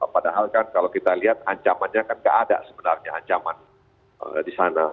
padahal kan kalau kita lihat ancamannya kan nggak ada sebenarnya ancaman di sana